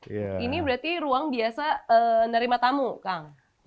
ini berarti ruang biasa nerima tamu kang